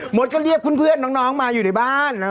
ดก็เรียกเพื่อนน้องมาอยู่ในบ้าน